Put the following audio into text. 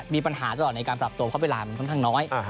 มีปัญหาตลอดในการปรับตัวเพราะเวลามันค่อนข้างน้อย